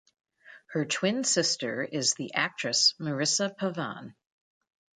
Her twin sister is the actress Marisa Pavan.